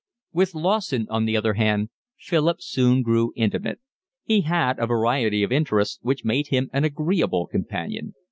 With Lawson on the other hand Philip soon grew intimate. He had a variety of interests which made him an agreeable companion.